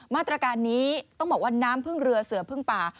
มาตรการนี้ต้องบอกว่าน้ำพึ่งเรือเสือพึ่งป่า